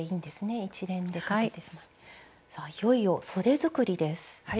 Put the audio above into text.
さあいよいよそで作りです。